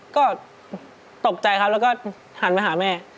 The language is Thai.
ก็ตกใจครับแล้วก็หันมาหาแม่